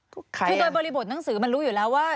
คือโดยบริบทหนังสือมันรู้อยู่แล้วว่า